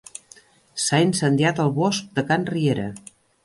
S'ha incendiat el bosc de can Riera.